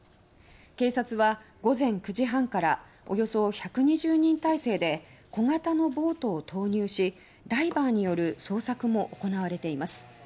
警察は、午前９時半からおよそ１２０人体制で小型のボートを投入しダイバーによる捜索も行われています。